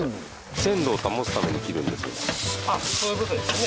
鮮度を保つために切るんですね。